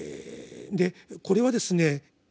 でこれはですね